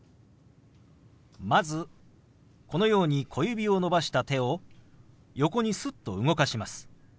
まずこのように小指を伸ばした手を横にすっと動かします。